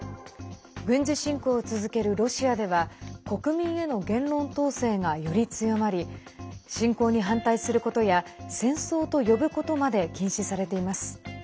軍事侵攻を続けるロシアでは国民への言論統制が、より強まり侵攻に反対することや戦闘と呼ぶことまで禁止されています。